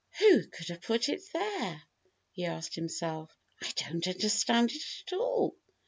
"Who could have put it there?" he asked himself. "I don't understand it at all.